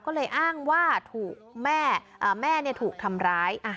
ก็เลยอ้างว่าถูกแม่อ่าแม่เนี่ยถูกทำร้ายอ่ะ